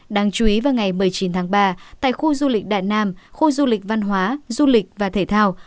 đáng chú ý vào ngày một mươi chín tháng ba tại khu du lịch đại nam khu du lịch văn hóa du lịch và thể thao